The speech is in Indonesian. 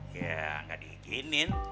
ya gak diiginin